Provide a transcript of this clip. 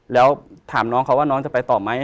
แล้วถามน้องเขาว่าน้องจะไปต่อไหม